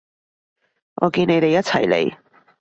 我見你哋一齊嚟